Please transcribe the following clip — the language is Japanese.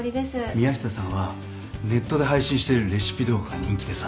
宮下さんはネットで配信してるレシピ動画が人気でさ。